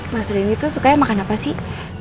mas reni tuh sukanya makan apa sih